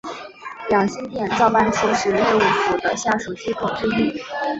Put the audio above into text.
养心殿造办处是内务府的下属机构之一。